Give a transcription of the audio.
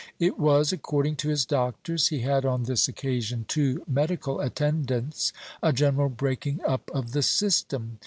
It was, according to his doctors he had on this occasion two medical attendants a general breaking up of the system.